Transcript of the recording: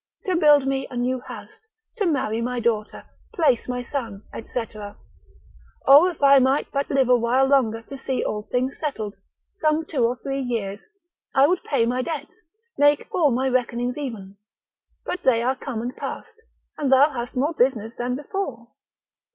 to build me a new house, to marry my daughter, place my son, &c. O if I might but live a while longer to see all things settled, some two or three years, I would pay my debts, make all my reckonings even: but they are come and past, and thou hast more business than before.